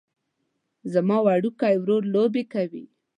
زما وړوکی ورور لوبې کوي